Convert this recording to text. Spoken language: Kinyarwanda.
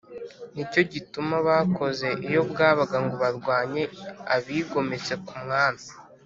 nicyo gituma bakoze iyo bwabaga ngo barwanye abigometse ku mwami